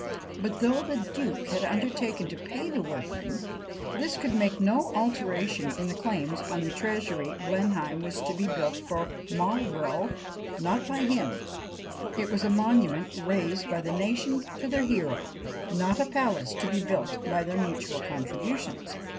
But though the duke had undertaken to pay the workmen, this could make no alteration in the claims on the Treasury. Blenheim was to be built for Marlborough, not by him; it was a monument raised by the nation to their hero, not a palace to be built by their mutual contributions.